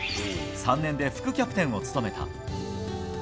３年で副キャプテンを務めた。